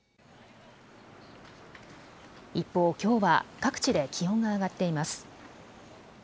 一方、きょうは各地で気温が上がっています。